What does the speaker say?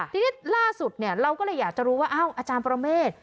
ทีนี้ล่าสุดเราก็เลยอยากจะรู้ว่าอาจารย์ประเมฆ